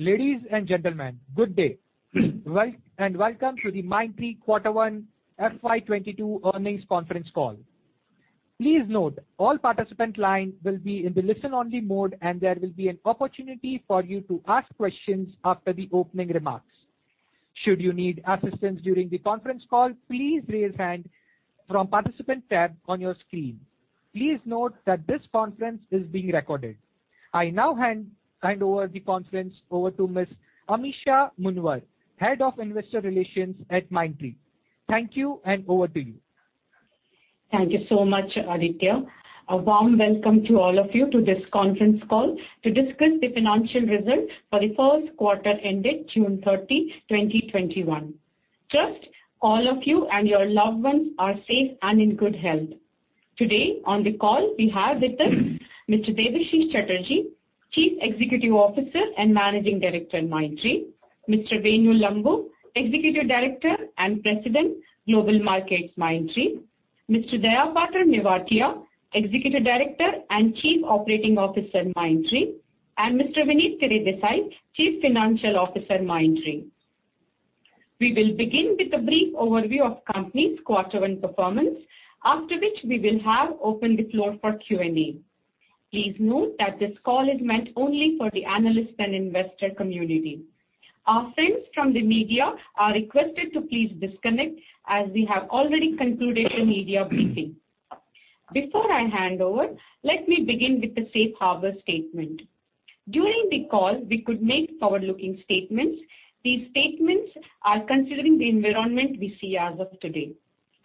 Ladies and gentlemen, good day. Welcome to the Mindtree quarter one FY 2022 earnings conference call. Please note all participant lines will be in the listen-only mode, and there will be an opportunity for you to ask questions after the opening remarks. Should you need assistance during the conference call, please raise hand from participant tab on your screen. Please note that this conference is being recorded. I now hand over the conference over to Ms. Amisha Munvar, Head of Investor Relations at Mindtree. Thank you, over to you. Thank you so much, Aditya. A warm welcome to all of you to this conference call to discuss the financial results for the first quarter ended June 30, 2021. Trust all of you and your loved ones are safe and in good health. Today on the call we have with us Mr. Debashis Chatterjee, Chief Executive Officer and Managing Director at Mindtree, Mr. Venu Lambu, Executive Director and President Global Markets, Mindtree, Mr. Dayapatra Nevatia, Executive Director and Chief Operating Officer at Mindtree, and Mr. Vinit Teredesai, Chief Financial Officer at Mindtree. We will begin with a brief overview of company's quarter one performance, after which we will have open the floor for Q&A. Please note that this call is meant only for the analyst and investor community. Our friends from the media are requested to please disconnect as we have already concluded a media briefing. Before I hand over, let me begin with the safe harbor statement. During the call, we could make forward-looking statements. These statements are considering the environment we see as of today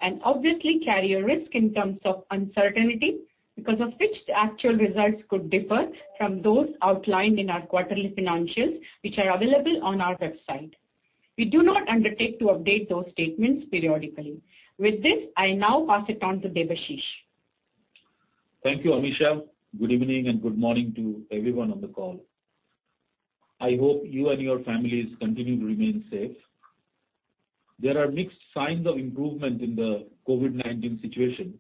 and obviously carry a risk in terms of uncertainty, because of which the actual results could differ from those outlined in our quarterly financials, which are available on our website. We do not undertake to update those statements periodically. With this, I now pass it on to Debashis. Thank you, Amisha. Good evening and good morning to everyone on the call. I hope you and your families continue to remain safe. There are mixed signs of improvement in the COVID-19 situation,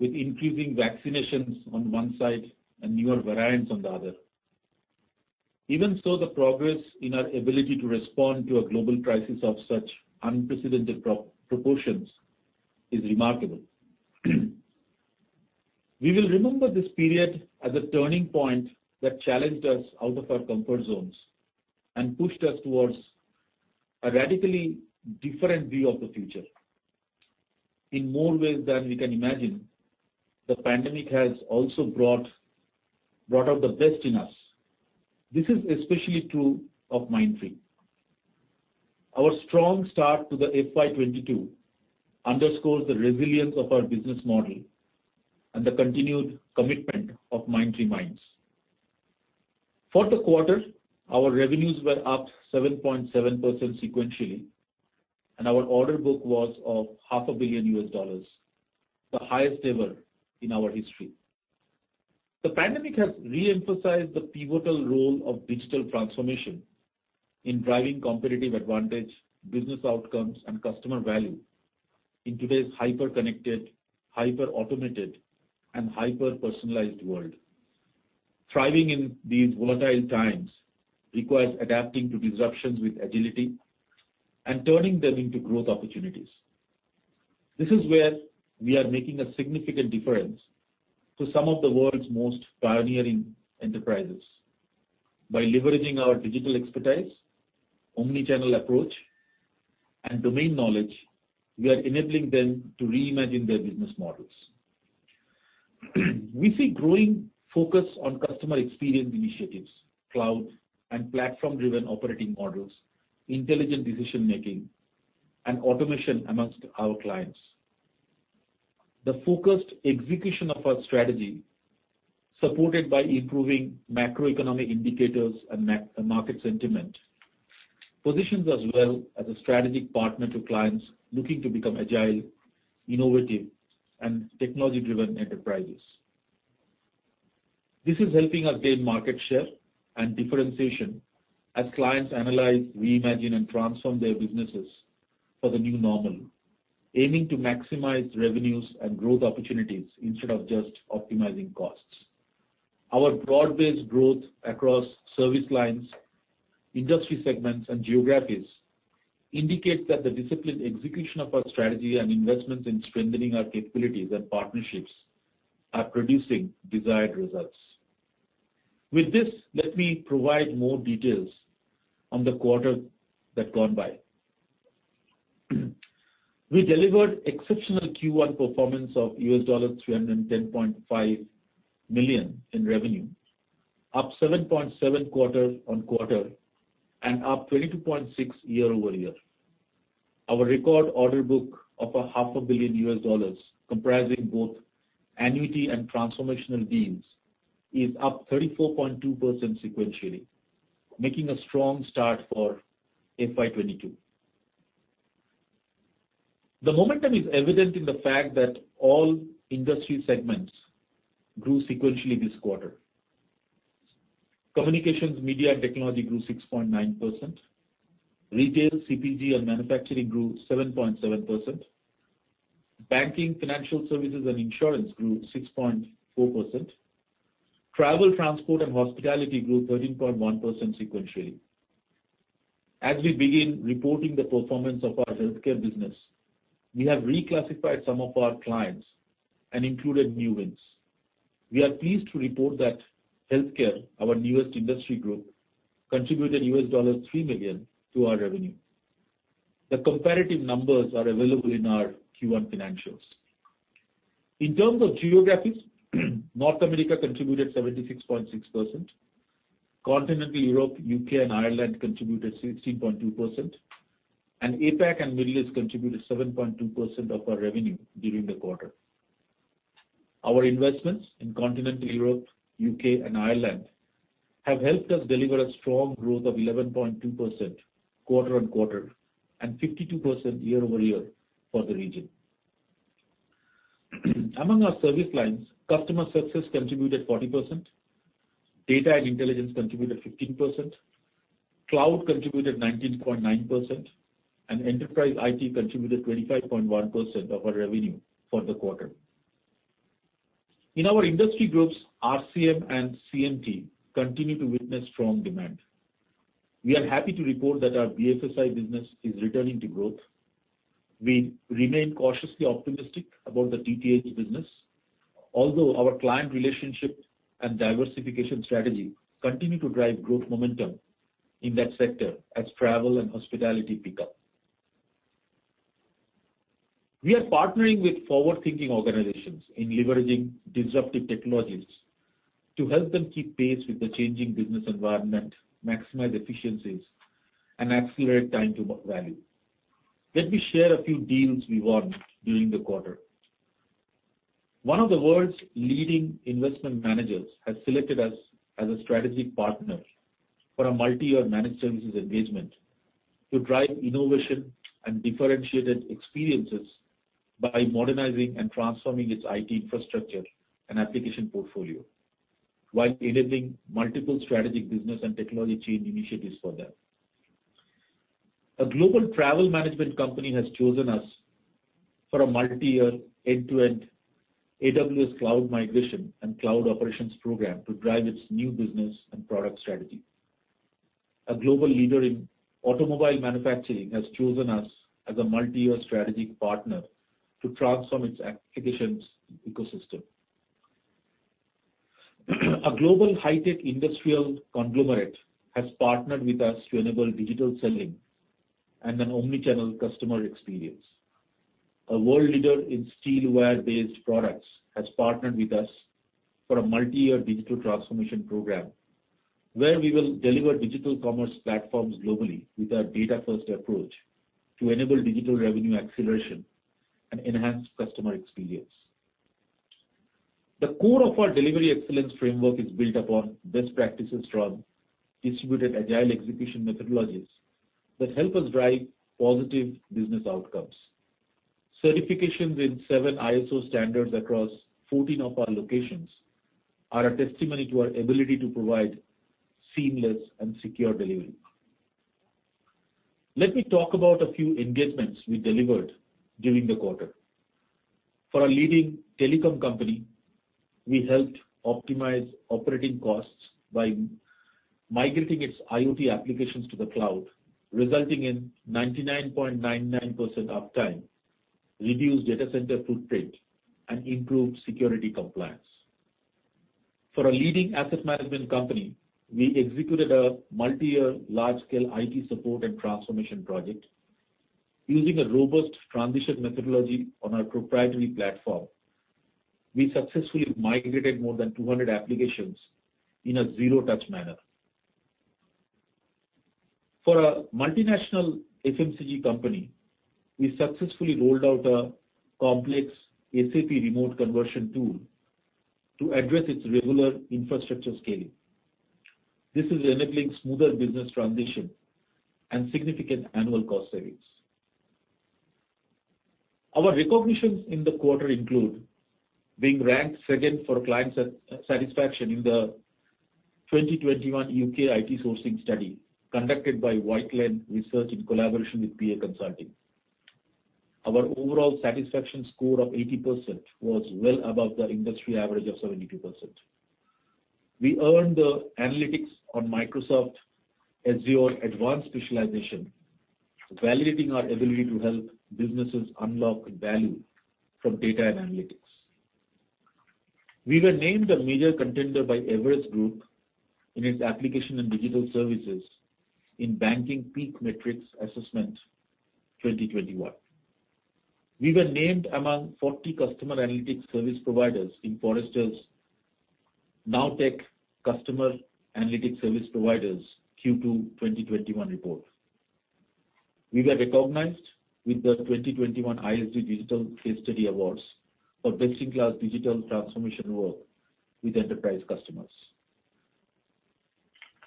with increasing vaccinations on one side and newer variants on the other. Even so, the progress in our ability to respond to a global crisis of such unprecedented proportions is remarkable. We will remember this period as a turning point that challenged us out of our comfort zones and pushed us towards a radically different view of the future. In more ways than we can imagine, the pandemic has also brought out the best in us. This is especially true of Mindtree. Our strong start to the FY 2022 underscores the resilience of our business model and the continued commitment of Mindtree Minds. For the quarter, our revenues were up 7.7% sequentially, and our order book was of $0.5 billion, the highest ever in our history. The pandemic has re-emphasized the pivotal role of digital transformation in driving competitive advantage, business outcomes, and customer value in today's hyper-connected, hyper-automated, and hyper-personalized world. Thriving in these volatile times requires adapting to disruptions with agility and turning them into growth opportunities. This is where we are making a significant difference to some of the world's most pioneering enterprises. By leveraging our digital expertise, omni-channel approach, and domain knowledge, we are enabling them to reimagine their business models. We see growing focus on customer experience initiatives, cloud and platform-driven operating models, intelligent decision-making, and automation amongst our clients. The focused execution of our strategy, supported by improving macroeconomic indicators and market sentiment, positions us well as a strategic partner to clients looking to become agile, innovative, and technology-driven enterprises. This is helping us gain market share and differentiation as clients analyze, reimagine, and transform their businesses for the new normal, aiming to maximize revenues and growth opportunities instead of just optimizing costs. Our broad-based growth across service lines, industry segments, and geographies indicate that the disciplined execution of our strategy and investments in strengthening our capabilities and partnerships are producing desired results. With this, let me provide more details on the quarter that gone by. We delivered exceptional Q1 performance of $310.5 million in revenue, up 7.7% quarter-on-quarter and up 22.6% year-over-year. Our record order book of $0.5 billion, comprising both annuity and transformational deals, is up 34.2% sequentially, making a strong start for FY 2022. The momentum is evident in the fact that all industry segments grew sequentially this quarter. Communications, media, and technology grew 6.9%. Retail, CPG, and manufacturing grew 7.7%. Banking, financial services, and insurance grew 6.4%. Travel, transport, and hospitality grew 13.1% sequentially. As we begin reporting the performance of our healthcare business, we have reclassified some of our clients and included new wins. We are pleased to report that healthcare, our newest industry group, contributed $3 million to our revenue. The comparative numbers are available in our Q1 financials. In terms of geographies, North America contributed 76.6%, Continental Europe, U.K., and Ireland contributed 16.2%, and APAC and Middle East contributed 7.2% of our revenue during the quarter. Our investments in Continental Europe, U.K., and Ireland have helped us deliver a strong growth of 11.2% quarter-on-quarter and 52% year-over-year for the region. Among our service lines, customer success contributed 40%, data and intelligence contributed 15%, cloud contributed 19.9%, and enterprise IT contributed 25.1% of our revenue for the quarter. In our industry groups, RCM and CMT continue to witness strong demand. We are happy to report that our BFSI business is returning to growth. We remain cautiously optimistic about the TTH business, although our client relationship and diversification strategy continue to drive growth momentum in that sector as travel and hospitality pick up. We are partnering with forward-thinking organizations in leveraging disruptive technologies to help them keep pace with the changing business environment, maximize efficiencies, and accelerate time to value. Let me share a few deals we won during the quarter. One of the world's leading investment managers has selected us as a strategic partner for a multi-year managed services engagement to drive innovation and differentiated experiences by modernizing and transforming its IT infrastructure and application portfolio while enabling multiple strategic business and technology change initiatives for them. A global travel management company has chosen us for a multi-year end-to-end AWS cloud migration and cloud operations program to drive its new business and product strategy. A global leader in automobile manufacturing has chosen us as a multi-year strategic partner to transform its applications ecosystem. A global high-tech industrial conglomerate has partnered with us to enable digital selling and an omnichannel customer experience. A world leader in steel wire-based products has partnered with us for a multi-year digital transformation program where we will deliver digital commerce platforms globally with our data-first approach to enable digital revenue acceleration and enhance customer experience. The core of our delivery excellence framework is built upon best practices from distributed agile execution methodologies that help us drive positive business outcomes. Certifications in seven ISO standards across 14 of our locations are a testimony to our ability to provide seamless and secure delivery. Let me talk about a few engagements we delivered during the quarter. For a leading telecom company, we helped optimize operating costs by migrating its IoT applications to the cloud, resulting in 99.99% uptime, reduced data center footprint, and improved security compliance. For a leading asset management company, we executed a multi-year large-scale IT support and transformation project. Using a robust transition methodology on our proprietary platform, we successfully migrated more than 200 applications in a zero-touch manner. For a multinational FMCG company, we successfully rolled out a complex SAP remote conversion tool to address its regular infrastructure scaling. This is enabling smoother business transition and significant annual cost savings. Our recognitions in the quarter include being ranked second for client satisfaction in the 2021 U.K. IT Sourcing Study conducted by Whitelane Research in collaboration with PA Consulting. Our overall satisfaction score of 80% was well above the industry average of 72%. We earned the analytics on Microsoft Azure advanced specialization, validating our ability to help businesses unlock value from data and analytics. We were named a major contender by Everest Group in its application and digital services in Banking PEAK Matrix Assessment 2021. We were named among 40 customer analytics service providers in Forrester's Now Tech: Customer Analytics Service Providers Q2 2021 report. We were recognized with the 2021 ISG Digital Case Study Awards for best-in-class digital transformation work with enterprise customers.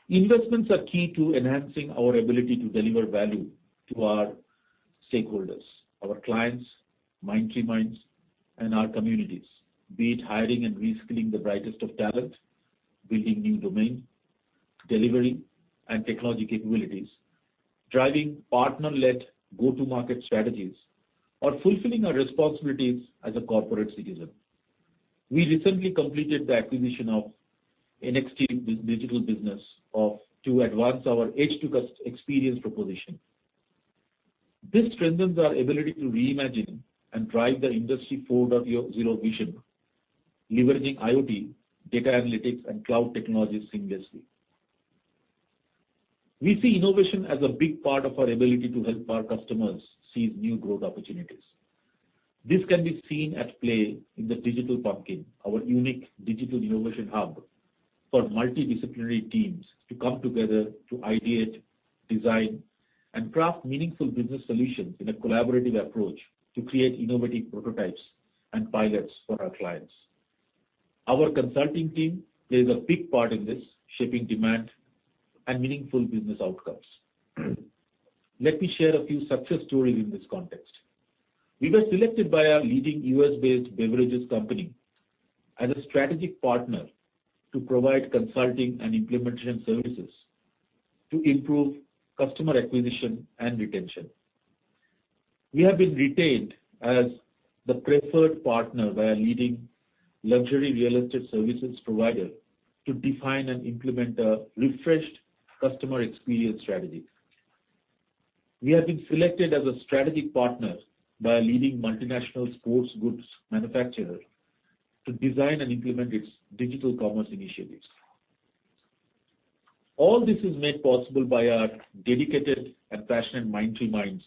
Investments are key to enhancing our ability to deliver value to our stakeholders, our clients, Mindtree Minds, and our communities, be it hiring and reskilling the brightest of talent, building new domain delivery and technology capabilities, driving partner-led go-to-market strategies or fulfilling our responsibilities as a corporate citizen. We recently completed the acquisition of NxT Digital Business to advance our edge-to experience proposition. This strengthens our ability to reimagine and drive the Industry 4.0 vision, leveraging IoT, data analytics, and cloud technologies seamlessly. We see innovation as a big part of our ability to help our customers seize new growth opportunities. This can be seen at play in the Digital Pumpkin, our unique digital innovation hub for multidisciplinary teams to come together to ideate, design, and craft meaningful business solutions in a collaborative approach to create innovative prototypes and pilots for our clients. Our consulting team plays a big part in this, shaping demand and meaningful business outcomes. Let me share a few success stories in this context. We were selected by a leading U.S.-based beverages company and a strategic partner to provide consulting and implementation services to improve customer acquisition and retention. We have been retained as the preferred partner by a leading luxury real estate services provider to define and implement a refreshed customer experience strategy. We have been selected as a strategic partner by a leading multinational sports goods manufacturer to design and implement its digital commerce initiatives. All this is made possible by our dedicated and passionate Mindtree Minds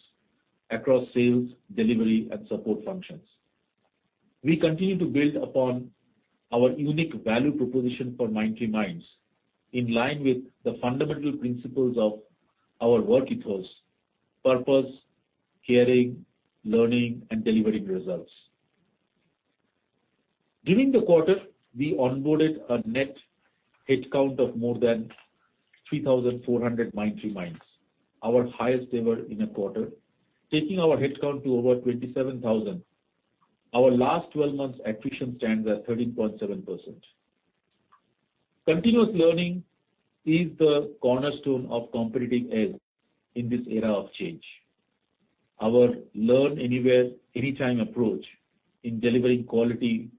across sales, delivery, and support functions. We continue to build upon our unique value proposition for Mindtree Minds, in line with the fundamental principles of our work ethos, purpose, caring, learning, and delivering results. During the quarter, we onboarded a net headcount of more than 3,400 Mindtree Minds. Our highest ever in a quarter. Taking our headcount to over 27,000. Our last 12 months attrition stands at 13.7%. Continuous learning is the cornerstone of competing edge in this era of change. Our learn anywhere, anytime approach in delivering quality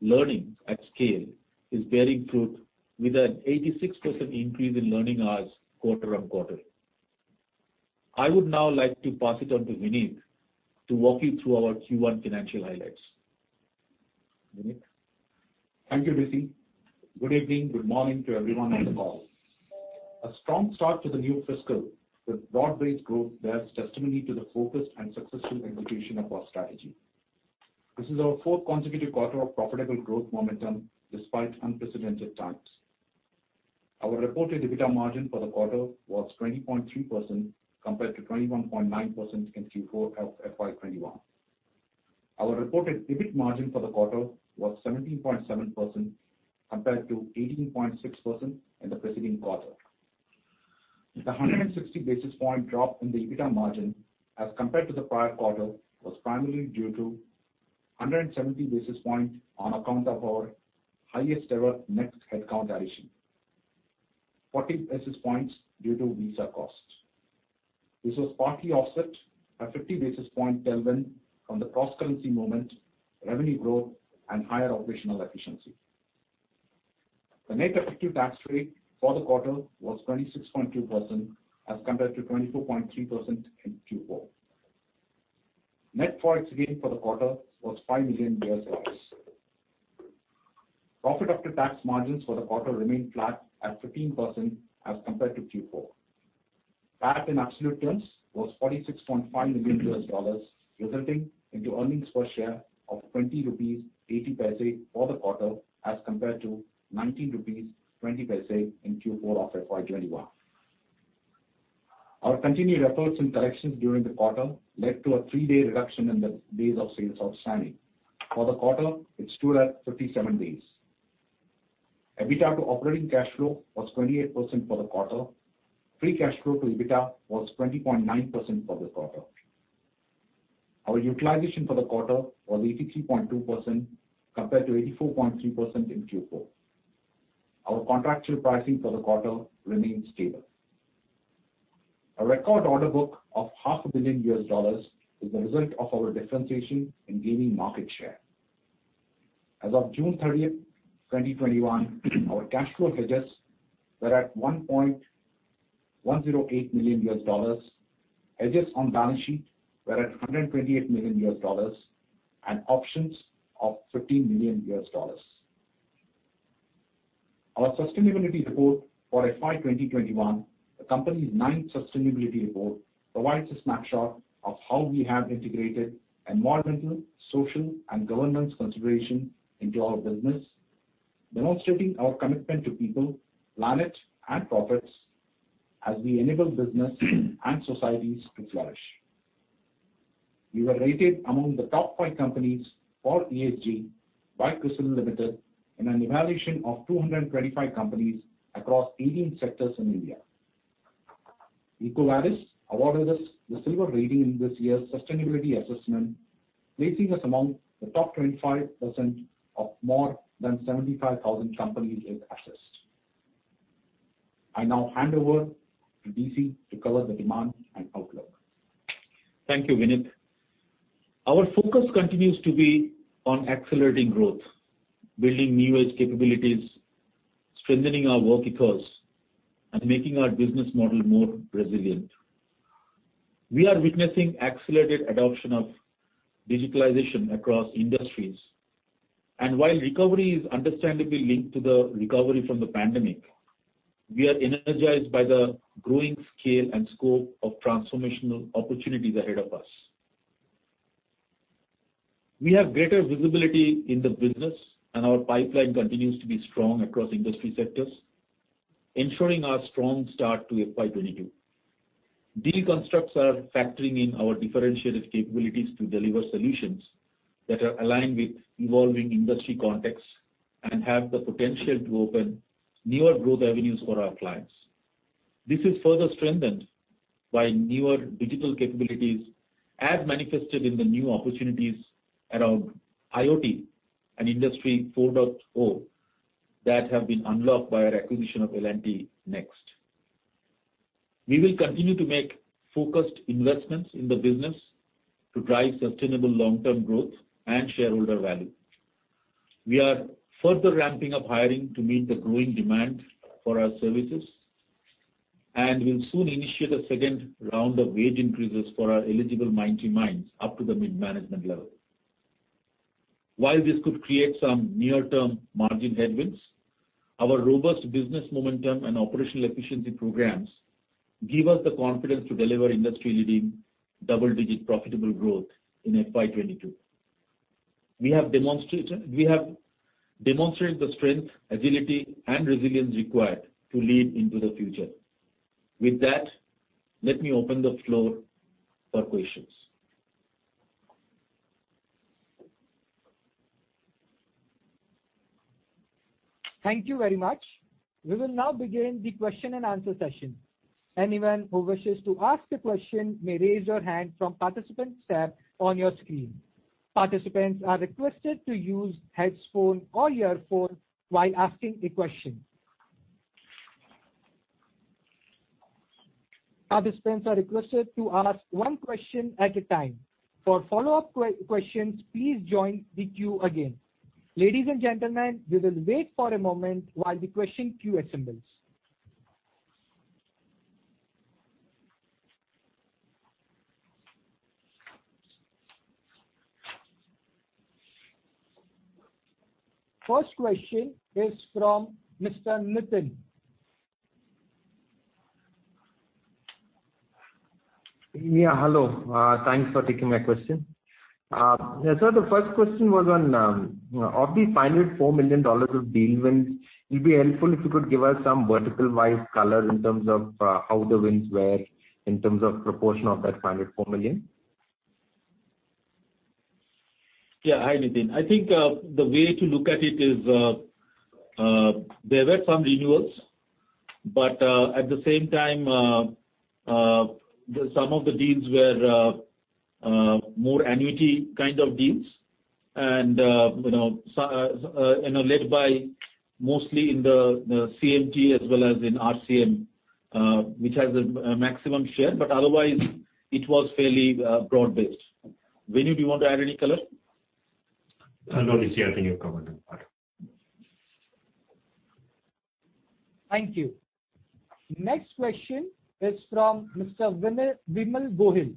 learning at scale is bearing fruit with an 86% increase in learning hours quarter-on-quarter. I would now like to pass it on to Vinit to walk you through our Q1 financial highlights. Vinit. Thank you, Chatterjee. Good evening. Good morning to everyone involved. A strong start to the new fiscal with broad-based growth bears testimony to the focused and successful execution of our strategy. This is our fourth consecutive quarter of profitable growth momentum despite unprecedented times. Our reported EBITDA margin for the quarter was 20.3% compared to 21.9% in Q4 FY 2021. Our reported EBIT margin for the quarter was 17.7% compared to 18.6% in the preceding quarter. The 160 basis points drop in the EBITDA margin as compared to the prior quarter was primarily due to 170 basis points on account of our highest-ever net headcount addition. 40 basis points due to visa costs. This was partly offset by 50 basis points tailwind from the cross-currency movement, revenue growth, and higher operational efficiency. The net effective tax rate for the quarter was 26.2% as compared to 24.3% in Q4. Net profits gain for the quarter was $5 million. Profit after tax margins for the quarter remained flat at 15% as compared to Q4. PAT in absolute terms was $46.5 million, resulting in the earnings per share of 20.80 rupees for the quarter as compared to 19.20 rupees in Q4 of FY 2021. Our continued efforts in collections during the quarter led to a three-day reduction in the days of sales outstanding. For the quarter, it stood at 37 days. EBITDA to operating cash flow was 28% for the quarter. Free cash flow to EBITDA was 20.9% for the quarter. Our utilization for the quarter was 83.2% compared to 84.3% in Q4. Our contractual pricing for the quarter remained stable. Our record order book of $0.5 billion is a result of our differentiation in gaining market share. As of June 30th, 2021, our cash flow hedges were at $1.108 million, hedges on balance sheet were at $128 million, and options of $15 million. Our sustainability report for FY 2021, the company's ninth sustainability report, provides a snapshot of how we have integrated environmental, social, and governance consideration into our business, demonstrating our commitment to people, planet, and profits as we enable business and societies to flourish. We were rated among the top five companies for ESG by CRISIL Limited in an evaluation of 225 companies across 18 sectors in India. EcoVadis awarded us the silver rating in this year's sustainability assessment, placing us among the top 25% of more than 75,000 companies it assessed. I now hand over to DC to cover the demand and outlook. Thank you, Vinit. Our focus continues to be on accelerating growth, building new edge capabilities, strengthening our work ethos, and making our business model more resilient. We are witnessing accelerated adoption of digitalization across industries. While recovery is understandably linked to the recovery from the pandemic, we are energized by the growing scale and scope of transformational opportunities ahead of us. We have greater visibility in the business, and our pipeline continues to be strong across industry sectors, ensuring our strong start to FY 2022. These constructs are factoring in our differentiated capabilities to deliver solutions that are aligned with evolving industry contexts and have the potential to open newer growth avenues for our clients. This is further strengthened by newer digital capabilities as manifested in the new opportunities around IoT and Industry 4.0 that have been unlocked by our acquisition of L&T NxT. We will continue to make focused investments in the business to drive sustainable long-term growth and shareholder value. We are further ramping up hiring to meet the growing demand for our services, and we'll soon initiate a second round of wage increases for our eligible Mindtree Minds up to the mid-management level. While this could create some near-term margin headwinds, our robust business momentum and operational efficiency programs give us the confidence to deliver industry-leading double-digit profitable growth in FY 2022. We have demonstrated the strength, agility, and resilience required to leap into the future. With that, let me open the floor for questions. Thank you very much. We will now begin the question-and-answer session. Anyone who wishes to ask a question may raise your hand from participants tab on your screen. Participants are requested to use headphones or earphones while asking a question. Participants are requested to ask one question at a time. For follow-up questions, please join the queue again. Ladies and gentlemen, we will wait for a moment while the question queue assembles. First question is from Mr. Nithin. Yeah, hello. Thanks for taking my question. Sir, the first question was on of the $504 million of deal wins, it'll be helpful if you could give us some vertical wise color in terms of how the wins were in terms of proportion of that $504 million. Yeah. Hi, Nithin. I think, the way to look at it is, there were some renewals, but at the same time, some of the deals were more annuity kind of deals and led by mostly in the CMT as well as in RCM, which has a maximum share, but otherwise, it was fairly broad-based. Vinit, do you want to add any color? No. I think you covered it. Thank you. Next question is from Mr. Vimal Gohil.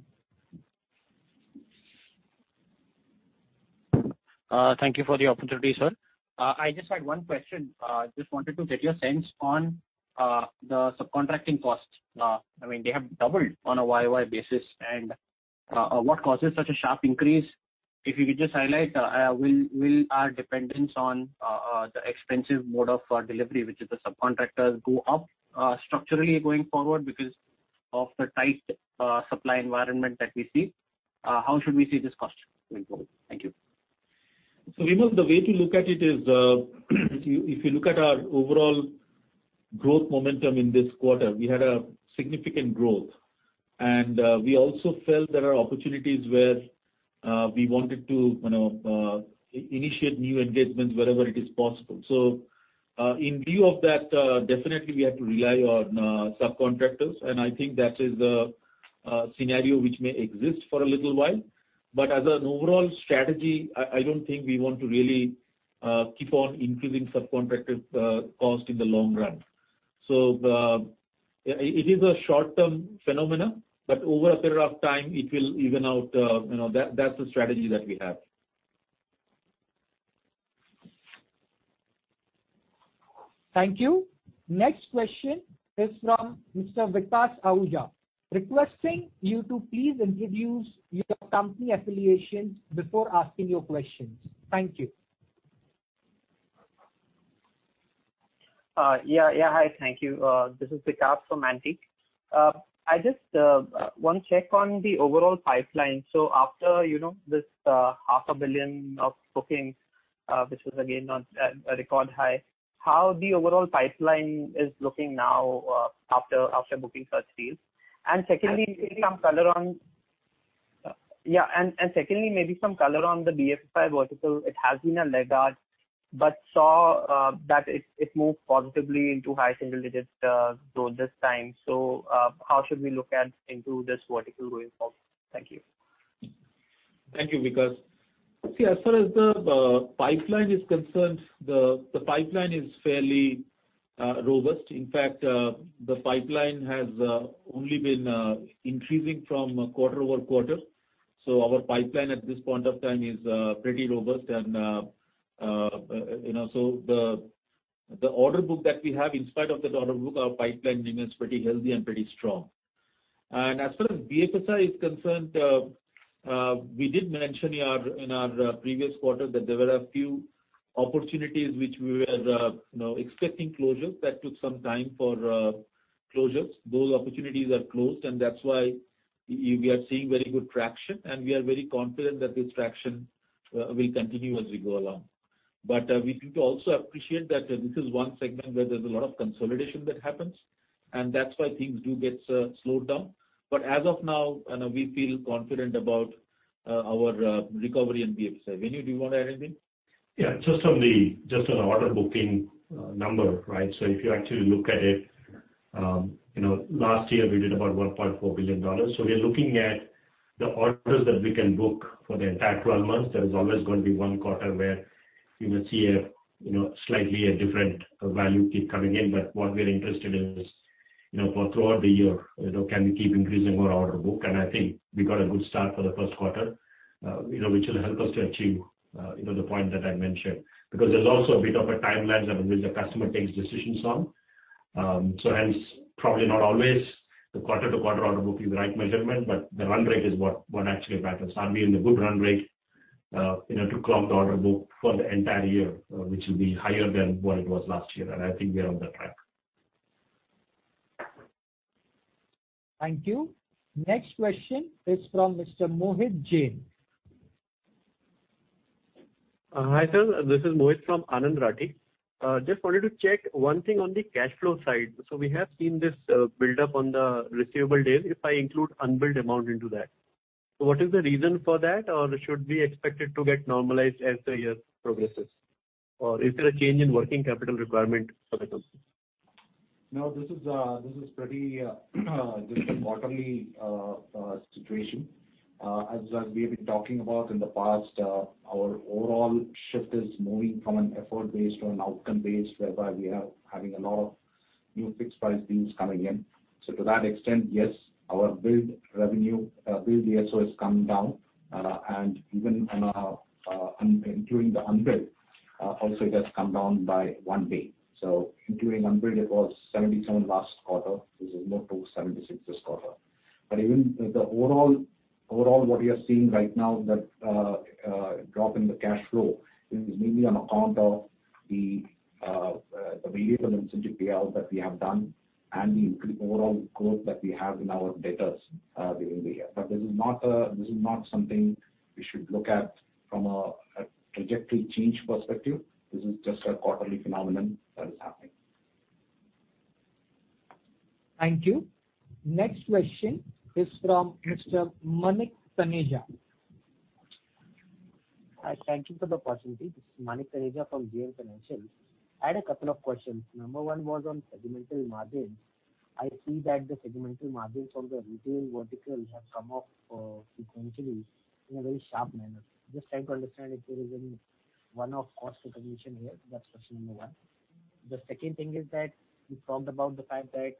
Thank you for the opportunity, sir. I just had one question. Just wanted to get your sense on the subcontracting cost. They have doubled on a YoY basis. What causes such a sharp increase? If you could just highlight, will our dependence on the expensive mode of delivery, which is the subcontractors, go up structurally going forward because of the tight supply environment that we see? How should we see this cost going forward? Thank you. Vimal, the way to look at it is if you look at our overall growth momentum in this quarter, we had a significant growth, and we also felt there are opportunities where we wanted to initiate new engagements wherever it is possible. In lieu of that, definitely we have to rely on subcontractors, and I think that is a scenario which may exist for a little while. As an overall strategy, I don't think we want to really keep on increasing subcontractor cost in the long run. It is a short-term phenomenon, but over a period of time, it will even out. That's the strategy that we have. Thank you. Next question is from Mr. Vikas Ahuja. Requesting you to please introduce your company affiliation before asking your questions. Thank you. Yeah. Hi. Thank you. This is Vikas from Antique. Just one check on the overall pipeline. After this $0.5 billion of bookings, which was again on a record high. How the overall pipeline is looking now after booking first phase? Secondly, maybe some color on the BFSI vertical. It has been a laggard, but saw that it moved positively into high single digits during this time. How should we look into this vertical going forward? Thank you. Thank you, Vikas. Okay. As far as the pipeline is concerned, the pipeline is fairly robust. In fact, the pipeline has only been increasing from quarter-over-quarter. Our pipeline at this point of time is pretty robust. The order book that we have, in spite of this order book, our pipeline remains pretty healthy and pretty strong. As far as BFSI is concerned, we did mention in our previous quarter that there were a few opportunities which we were expecting closures that took some time for closures. Those opportunities are closed, and that's why we are seeing very good traction, and we are very confident that this traction will continue as we go along. We need to also appreciate that this is one segment where there's a lot of consolidation that happens, and that's why things do get slowed down. As of now, we feel confident about our recovery in BFSI. Venu, do you want to add anything? Yeah. Just on the order booking number. If you actually look at it, last year we did about $1.4 billion. We're looking at the orders that we can book for the entire 12 months. There's always going to be one quarter where you will see slightly a different value keep coming in. What we are interested in is for throughout the year, can we keep increasing our order book? I think we got a good start for the first quarter, which will help us to achieve the point that I mentioned. There's also a bit of a timeline that the customer takes decisions on. Hence, probably not always the quarter-to-quarter order book is the right measurement, but the run rate is what actually matters. I'll be in a good run rate to close the order book for the entire year, which will be higher than what it was last year, and I think we are on the track. Thank you. Next question is from Mr. Mohit Jain. Hi sir. This is Mohit from Anand Rathi. Just wanted to check one thing on the cash flow side. We have seen this buildup on the receivable days if I include unbilled amount into that. What is the reason for that, or should we expect it to get normalized as the year progresses? Is there a change in working capital requirement for the company? This is pretty just a quarterly situation. As we've been talking about in the past, our overall shift is moving from an effort-based on outcome-based, whereby we are having a lot of new fixed price deals coming in. To that extent, yes, our billed revenue, billed DSO, has come down, and even including the unbilled, also it has come down by one day. Including unbilled, it was 77 last quarter. This is now booked 76 this quarter. Even the overall what we are seeing right now, that drop in the cash flow is mainly on account of the variable incentive payout that we have done and the overall growth that we have in our debtors during the year. This is not something we should look at from a trajectory change perspective. This is just a quarterly phenomenon that is happening. Thank you. Next question is from Mr. Manik Taneja. Thank you for the opportunity. This is Manik Taneja from JM Financial. I had a couple of questions. Number one was on segmental margins. I see that the segmental margins from the retail vertical have come off sequentially in a very sharp manner. Just trying to understand if there is any one-off cost recognition here. That's question number one. The second thing is that you talked about the fact that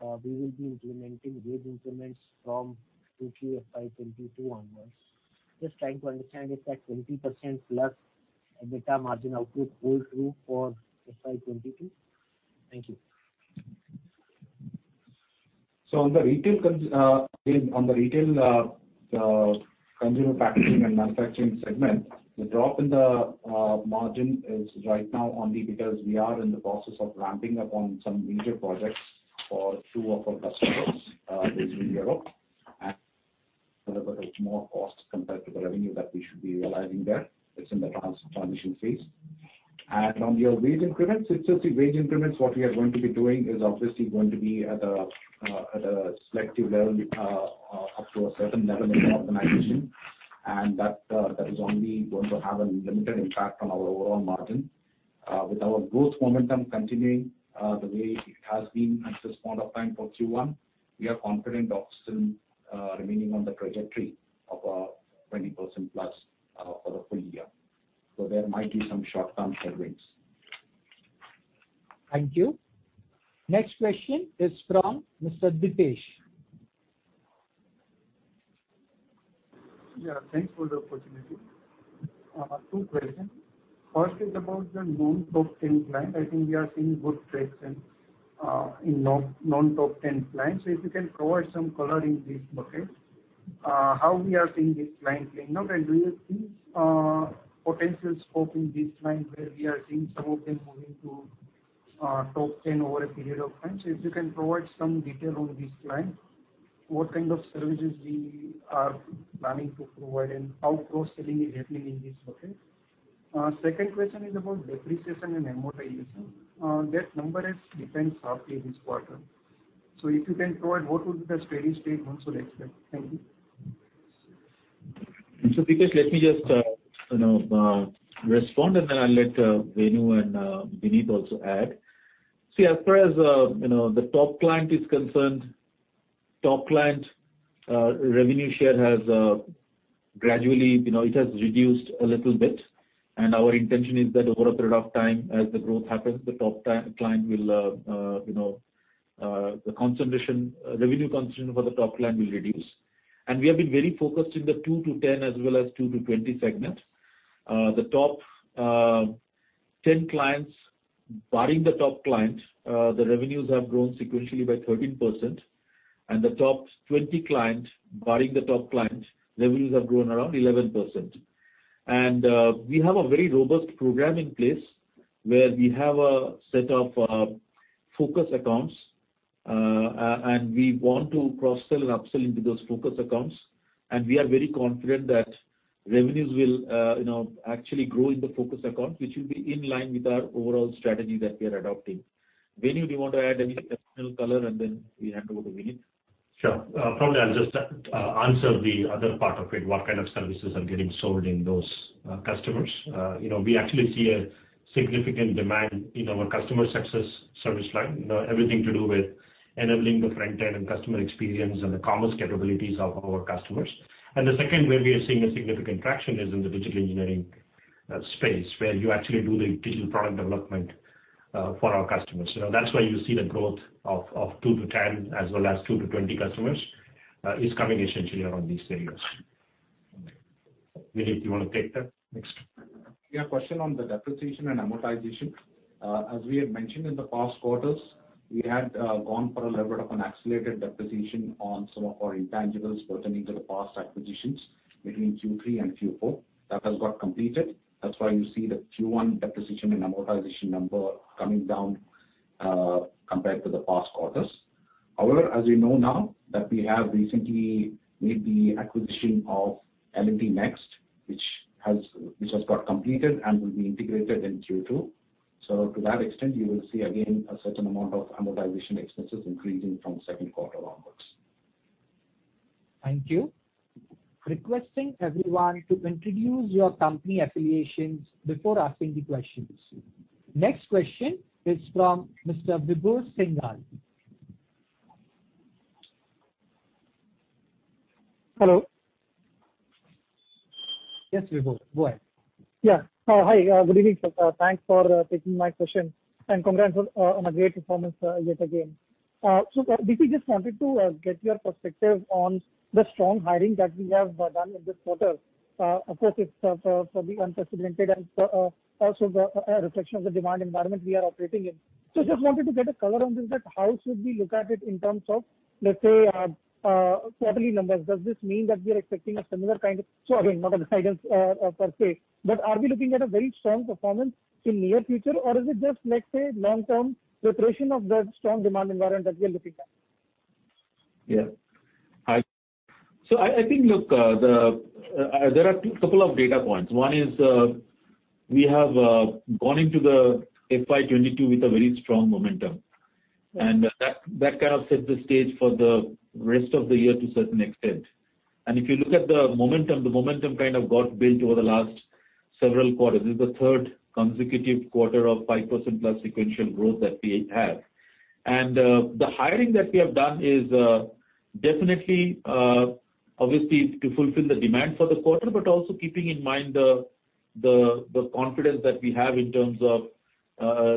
we will be implementing wage increments from FY 2022 onwards. Just trying to understand if that 20%+ EBITDA margin outlook holds true for FY 2022. Thank you. On the consumer packaging and manufacturing segment, the drop in the margin is right now only because we are in the process of ramping up on some major projects for two of our customers within Europe. There is more cost compared to revenue that we should be realizing there. It's in the transition phase. On your wage increments, it's just the wage increments what we are going to be doing is obviously going to be at a selective level up to a certain level in the organization, and that is only going to have a limited impact on our overall margin. With our growth momentum continuing the way it has been at this point of time, Q1, we are confident of still remaining on the trajectory of 20%+ for the full year. There might be some short-term headwinds. Thank you. Next question is from Mr. Dipesh. Yeah, thanks for the opportunity. Two questions. First is about the non-top 10 clients. I think we are seeing good presence in non-top 10 clients. If you can provide some color in this market, how we are seeing this client dynamic, and do you think potential scope in these clients where we are seeing some of them moving to top 10 over a period of time? If you can provide some detail on these clients. What kind of services we are planning to provide and how cross-selling is happening in this quarter? Second question is about depreciation and amortization. That number has dipped sharply this quarter. If you can provide what will be the steady state going forward. Thank you. Dipesh, let me just respond, and then I'll let Venu and Vinit also add. As far as the top client is concerned, top client revenue share has gradually reduced a little bit, and our intention is that over a period of time, as the growth happens, the revenue concentration for the top client will reduce. We have been very focused in the two to 10 as well as two to 20 segments. The top 10 clients, barring the top client, the revenues have grown sequentially by 13%, and the top 20 clients, barring the top client, revenues have grown around 11%. We have a very robust program in place where we have a set of focus accounts, and we want to cross-sell and up-sell into those focus accounts. We are very confident that revenues will actually grow in the focus accounts, which will be in line with our overall strategy that we are adopting. Venu, do you want to add any additional color, and then we hand over to Vinit? Sure. Probably I'll just answer the other part of it, what kind of services are getting sold in those customers. We actually see a significant demand in our customer success service line. Everything to do with enabling the front end and customer experience and the commerce capabilities of our customers. The second area we are seeing a significant traction is in the digital engineering space, where you actually do the digital product development for our customers. That's why you see the growth of two to 10 as well as two to 20 customers is coming essentially around these areas. Vinit, do you want to take the next? A question on the depreciation and amortization. As we had mentioned in the past quarters, we had gone for a level of an accelerated depreciation on some of our intangibles pertaining to the past acquisitions between Q3 and Q4. That's got completed. That's why you see the Q1 depreciation and amortization number coming down compared to the past quarters. However, as you know now that we have recently made the acquisition of L&T NxT, which has just got completed and will be integrated in Q2. To that extent, you will see again a certain amount of amortization expenses increasing from second quarter onwards. Thank you. Requesting everyone to introduce your company affiliations before asking the questions. Next question is from Mr. Vibhor Singhal. Hello. Yes, Vibhor, go ahead. Yeah. Hi, good evening. Thanks for taking my question, and congrats on a great performance yet again. I just wanted to get your perspective on the strong hiring that we have done in this quarter. Of course, it's for the unprecedented and also the reflection of the demand environment we are operating in. Just wanted to get a color on this, that how should we look at it in terms of, let's say, quarterly numbers. Does this mean that we are expecting a similar kind of, not a guidance per se. Are we looking at a very strong performance in near future, or is it just, let's say, long term reflection of the strong demand environment that we are looking at? Yeah. I think there are a couple of data points. One is we have gone into the FY 2022 with a very strong momentum, and that kind of set the stage for the rest of the year to a certain extent. If you look at the momentum, the momentum kind of got built over the last several quarters. This is the third consecutive quarter of 5% plus sequential growth that we have. The hiring that we have done is definitely, obviously, to fulfill the demand for the quarter, but also keeping in mind the confidence that we have in terms of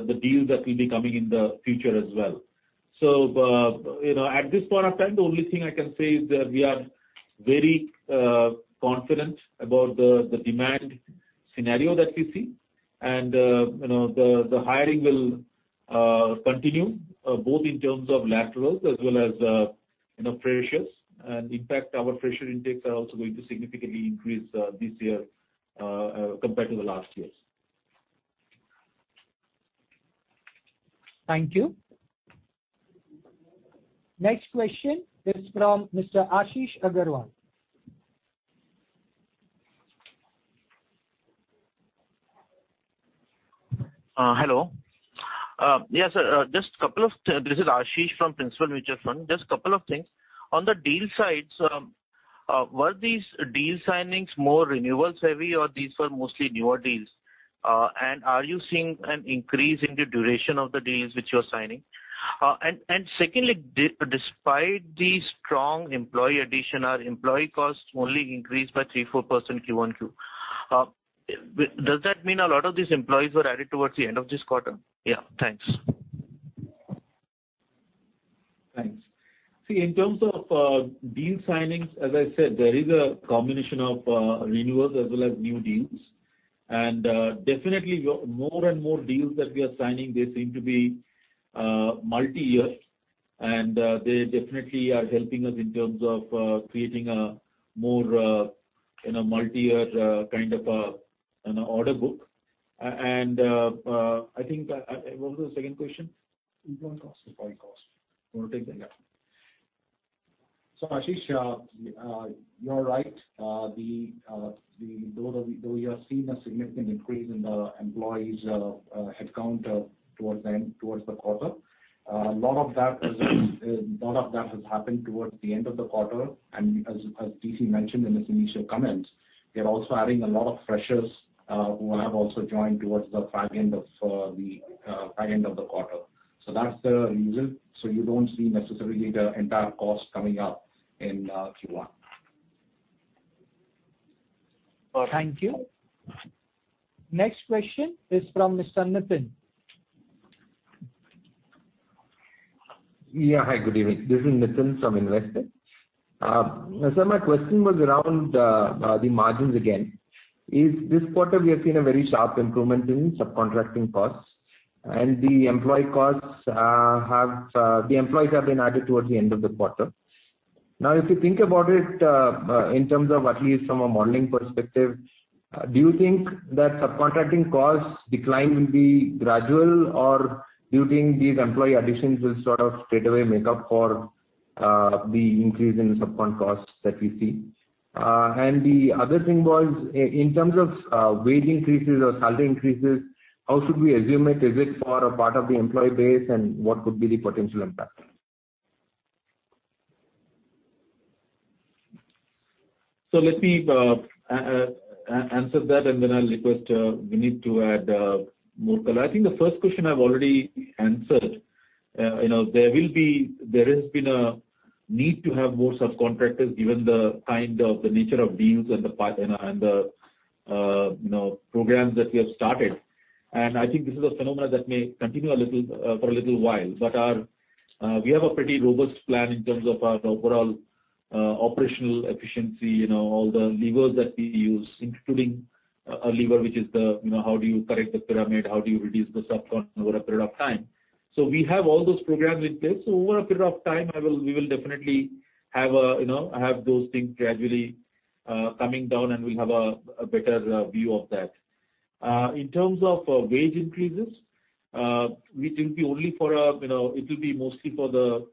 the deals that will be coming in the future as well. At this point of time, the only thing I can say is that we are very confident about the demand scenario that we see. The hiring will continue, both in terms of laterals as well as freshers. In fact, our fresher intakes are also going to significantly increase this year compared to the last years. Thank you. Next question is from Mr. Ashish Agarwal. Hello. This is Ashish from Principal, which is fine. Just a couple of things. On the deal side, were these deal signings more renewals heavy or these are mostly newer deals? Are you seeing an increase in the duration of the deals which you're signing? Secondly, despite the strong employee addition, our employee costs only increased by 3%, 4% Q1 to. Does that mean a lot of these employees were added towards the end of this quarter? Yeah. Thanks. Thanks. See, in terms of deal signings, as I said, there is a combination of renewals as well as new deals. Definitely more and more deals that we are signing, they seem to be multi-year, and they definitely are helping us in terms of creating a more multi-year kind of an order book. I think. What was the second question? Employee cost or buy cost. I want to take that, yeah. Ashish, you're right. Though we have seen a significant increase in the employees headcount towards the end towards the quarter, a lot of that has happened towards the end of the quarter. As DC mentioned in his initial comments, they're also adding a lot of freshers who have also joined towards the back end of the quarter. That's the reason. You don't see necessarily the entire cost coming up in Q1. Thank you. Next question is from Mr. Nithin. Yeah. Hi, good evening. This is Nithin from Investec. Sir, my question was around the margins again. This quarter, we have seen a very sharp improvement in subcontracting costs, and the employees have been added towards the end of the quarter. If you think about it, in terms of at least from a modeling perspective, do you think that subcontracting cost decline will be gradual, or do you think these employee additions will sort of straightaway make up for the increase in subcon costs that we see? The other thing was, in terms of wage increases or salary increases, how should we estimate it? Is it for a part of the employee base, and what could be the potential impact? Let me answer that, and then I'll request Vinit to add more color. I think the first question I've already answered. There has been a need to have more subcontractors, given the nature of deals and the programs that we have started. I think this is a phenomena that may continue for a little while. We have a pretty robust plan in terms of our overall operational efficiency, all the levers that we use, including a lever, which is how do you correct the pyramid, how do you reduce the subcon over a period of time. We have all those programs in place. Over a period of time, we will definitely have those things gradually coming down, and we'll have a better view of that. In terms of wage increases, it will be mostly for the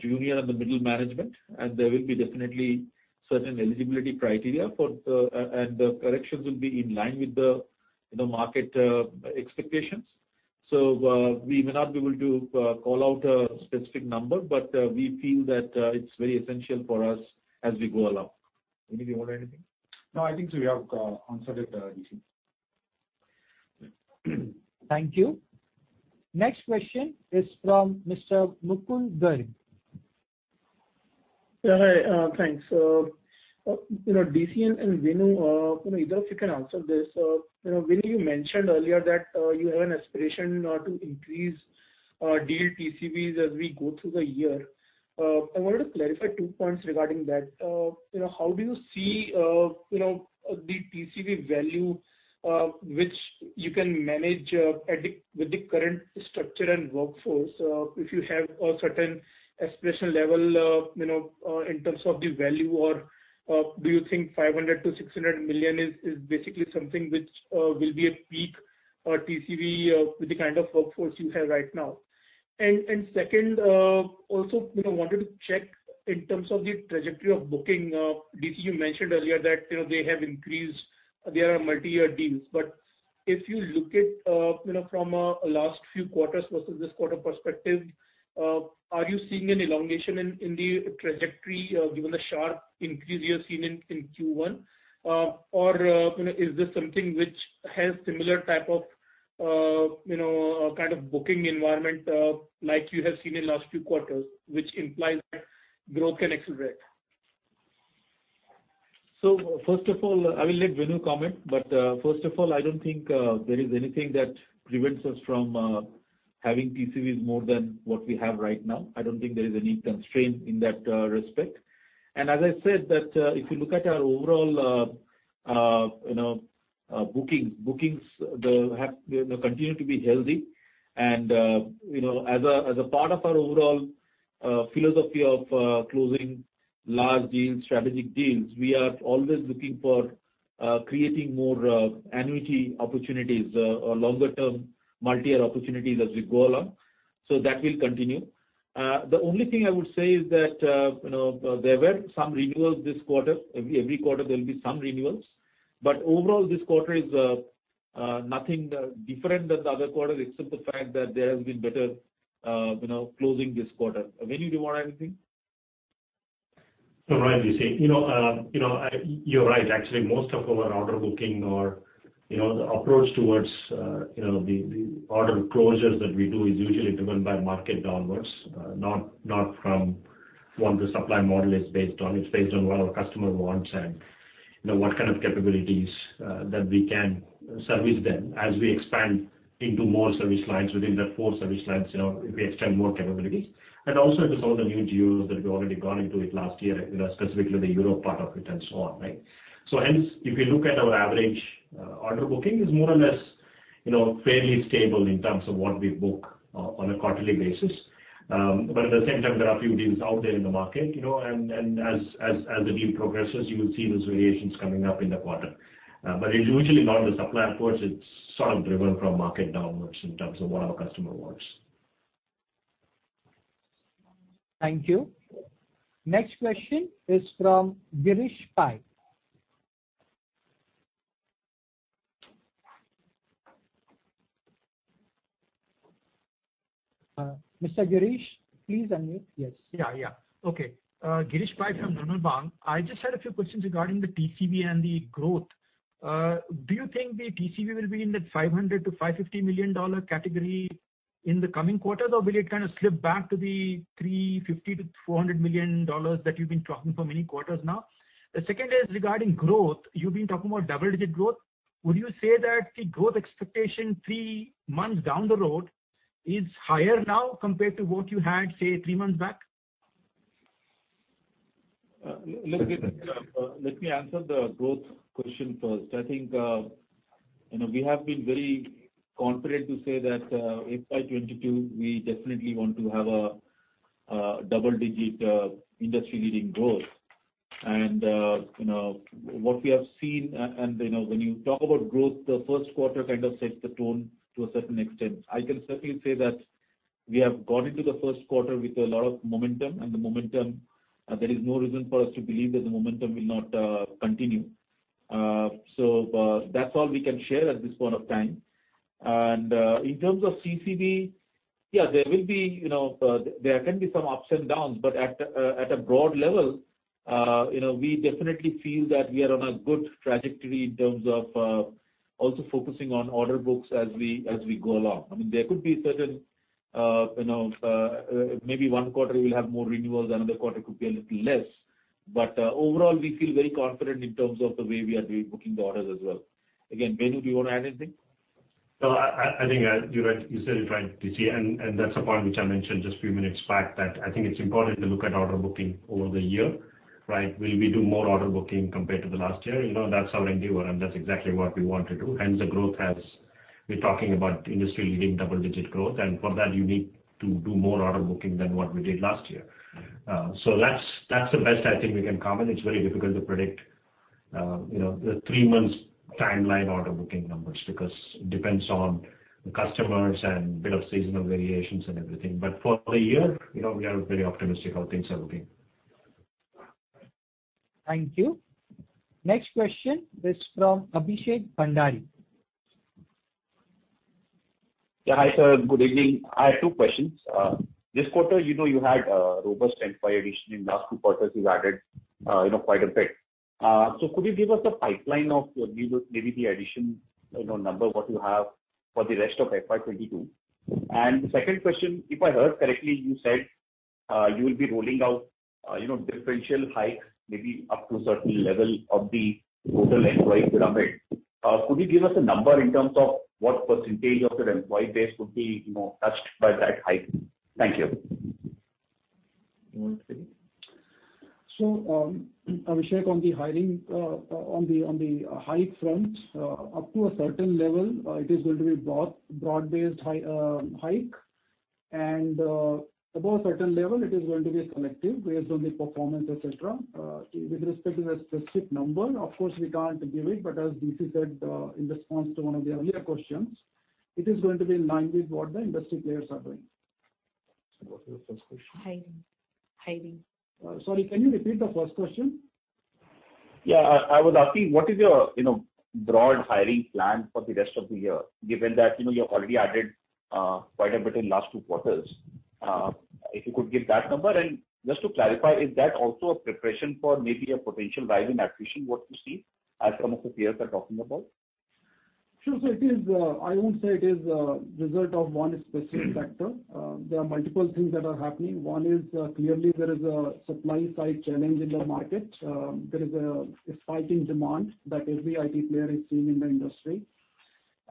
junior and the middle management, and there will be definitely certain eligibility criteria. The corrections will be in line with the market expectations. We may not be able to call out a specific number, but we feel that it's very essential for us as we go along. Vinit, you want to add anything? No, I think we have answered it, DC. Thank you. Next question is from Mr. Mukul Garg. Hi, thanks. DC and Venu, either of you can answer this. Venu, you mentioned earlier that you have an aspiration to increase deal TCVs as we go through the year. I want to clarify two points regarding that. How do you see the TCV value which you can manage with the current structure and workforce if you have a certain aspiration level in terms of the value, or do you think $500 million-$600 million is basically something which will be a peak TCV with the kind of workforce you have right now? Second, also wanted to check in terms of the trajectory of booking. DC, you mentioned earlier that they have increased, they are multi-year deals. If you look at from a last few quarters versus this quarter perspective, are you seeing an elongation in the trajectory given the sharp increase you have seen in Q1, or is this something which has similar type of booking environment like you have seen in last few quarters, which implies that growth can accelerate? First of all, I will let Venu comment, but first of all, I don't think there is anything that prevents us from having TCVs more than what we have right now. I don't think there is any constraint in that respect. As I said that if you look at our overall bookings continue to be healthy. As a part of our overall philosophy of closing large deals, strategic deals, we are always looking for creating more annuity opportunities, longer-term multi-year opportunities as we go along. That will continue. The only thing I would say is that there were some renewals this quarter. Every quarter there will be some renewals. Overall, this quarter is nothing different than the other quarter, except the fact that there has been better closing this quarter. Venu, you want to add anything? No. You're right, actually, most of our order booking or the approach towards the order closures that we do is usually driven by market downwards, not from what the supply model is based on. It's based on what our customer wants and what kind of capabilities that we can service them as we expand into more service lines within the four service lines, we extend more capabilities. Also into some of the new geos that we've already got into it last year, specifically the Europe part of it and so on, right? Hence, if you look at our average order booking is more or less fairly stable in terms of what we book on a quarterly basis. At the same time, there are few deals out there in the market. As the deal progresses, you will see those variations coming up in the quarter. It's usually not the supply push, it's sort of driven from market downwards in terms of what our customer wants. Thank you. Next question is from Girish Pai. Mr. Girish, please unmute. Yes. Okay. Girish Pai from Nirmal Bang. I just had a few questions regarding the TCV and the growth. Do you think the TCV will be in that $500 million-$550 million category in the coming quarter? Or will it kind of slip back to the $350 million-$400 million that you've been talking for many quarters now? The second is regarding growth. You've been talking about double-digit growth. Would you say that the growth expectation three months down the road is higher now compared to what you had, say, three months back? Let me answer the growth question first. I think we have been very confident to say that FY 2022, we definitely want to have a double-digit industry-leading growth. When you talk about growth, the first quarter kind of sets the tone to a certain extent. I can certainly say that we have got into the first quarter with a lot of momentum, and there is no reason for us to believe that the momentum will not continue. That's all we can share at this point of time. In terms of TCV, yeah, there can be some ups and downs, but at a broad level, we definitely feel that we are on a good trajectory in terms of also focusing on order books as we go along. There could be maybe one quarter we'll have more renewals, another quarter could be a little less. Overall, we feel very confident in terms of the way we are rebooking the orders as well. Again, Venu, do you want to add anything? No, I think you said it right, DC. That's the point which I mentioned just few minutes back, that I think it's important to look at order booking over the year, right? Will we do more order booking compared to the last year? That's our endeavor, and that's exactly what we want to do. Hence the growth as we're talking about industry-leading double-digit growth, and for that, you need to do more order booking than what we did last year. That's the best I think we can comment. It's very difficult to predict the three months timeline order booking numbers because depends on the customers and bit of seasonal variations and everything. For the year, we are very optimistic how things are looking. Thank you. Next question is from Abhishek Bhandari. Good evening. I have two questions. This quarter you had a robust employee addition. In last two quarters you've added quite a bit. Could you give us a pipeline of maybe the addition number what you have for the rest of FY 2022? Second question, if I heard correctly, you said you'll be rolling out differential hike maybe up to a certain level of the total employee pyramid. Could you give us a number in terms of what percentage of the employee base would be touched by that hike? Thank you. You want to say? Abhishek, on the hike front, up to a certain level it is going to be broad-based hike, and above certain level it is going to be selective based on the performance, et cetera. With respect to the specific number, of course we can't give it, but as DC said in response to one of the earlier questions, it is going to be in line with what the industry players are doing. Hiring. Sorry, can you repeat the first question? I was asking what is your broad hiring plan for the rest of the year, given that you've already added quite a bit in last two quarters? If you could give that number and just to clarify, is that also a preparation for maybe a potential rise in attrition, what you see as some of the peers are talking about? Sure. I won't say it is a result of one specific factor. There are multiple things that are happening. One is clearly there is a supply-side challenge in the market. There is a spike in demand that every IT player is seeing in the industry.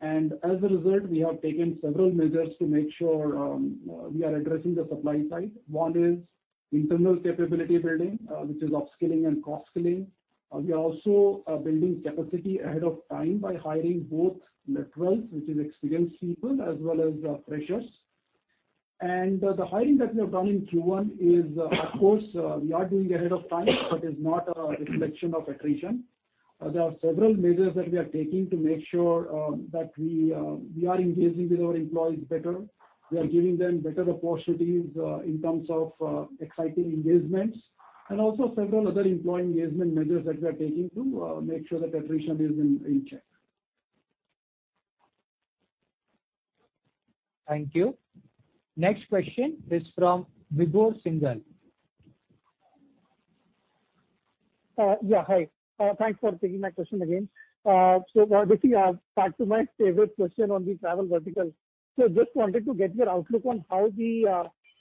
As a result, we have taken several measures to make sure we are addressing the supply-side. One is internal capability building, which is upskilling and cross-skilling. We are also building capacity ahead of time by hiring both laterals, which is experienced people, as well as freshers. The hiring that we have done in Q1 is, of course, we are doing ahead of time, but is not a reflection of attrition. There are several measures that we are taking to make sure that we are engaging with our employees better. We are giving them better opportunities in terms of exciting engagements and also several other employee engagement measures that we are taking to make sure that attrition is in check. Thank you. Next question is from Vibhor Singhal. Yeah. Hi. Thanks for taking my question again. Perhaps back to my favorite question on the travel vertical. Just wanted to get your outlook on how